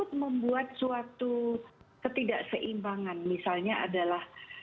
untuk membuat suatu ketidakseimbangan misalnya adalah